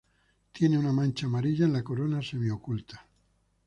Tiene una mancha amarilla en la corona, semi-oculta.